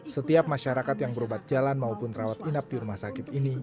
setiap masyarakat yang berobat jalan maupun rawat inap di rumah sakit ini